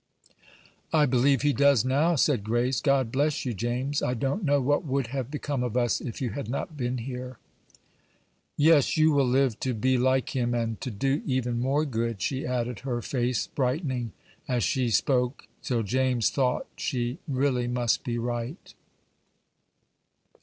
"I believe he does now," said Grace. "God bless you, James; I don't know what would have become of us if you had not been here." "Yes, you will live to be like him, and to do even more good," she added, her face brightening as she spoke, till James thought she really must be right.